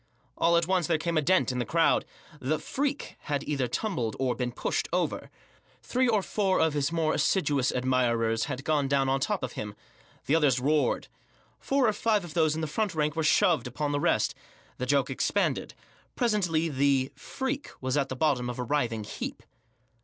All at once there came a dent in the crowd* The 'Freak" had either tumbled, or been pushed, over. Three or four of his more assiduous admirers had gone down on the top of him. The others roared, Digitized by THE AFFAJ# QF WE FKEAK. 151 Four or five of those in the front rank were shoved upon the rest The jQke expanded, Presently the " Freak " was at the bottom of * writhing heap.